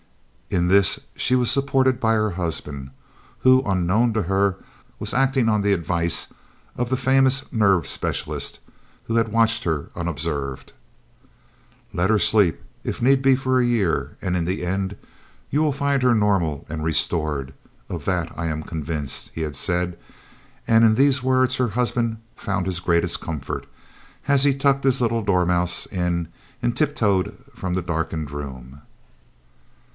In this she was supported by her husband, who, unknown to her, was acting on the advice of the famous nerve specialist who had watched her unobserved. "Let her sleep, if need be for a year, and in the end you will find her normal and restored, of that I am convinced," he had said; and in these words her husband found his greatest comfort, as he tucked his little dormouse in and tip toed from the darkened room.